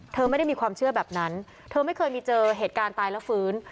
เธอไม่ได้มีความเชื่อแบบนั้นเธอไม่เคยมีเจอเหตุการณ์ตายแล้วฟื้น